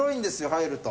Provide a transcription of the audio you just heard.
入ると。